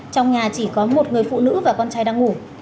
trong nhà chỉ có một người phụ nữ và con trai đang ngủ